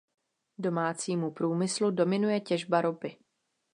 Domácímu průmyslu dominuje těžba ropy.